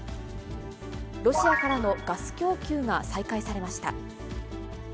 ロシアからのガス供給が再開されました。